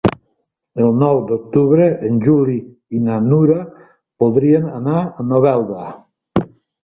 El nou d'octubre en Juli i na Nura voldrien anar a Novelda.